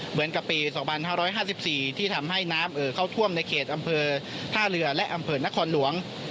เหมือนกับปี๒๕๕๔ที่ทำให้น้ำเอ่อเข้าท่วมในเขตอำเภอท่าเรือและอำเภอนครหลวง